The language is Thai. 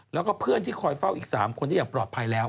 แล้วก็เพื่อนที่คอยเฝ้าอีก๓คนที่อย่างปลอดภัยแล้ว